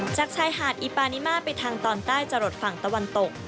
จากชายหาดอิปานิมาไปทางตอนใต้จรดฝั่งตะวันตก